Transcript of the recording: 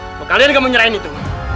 kalau kalian gak mau nyerahin itu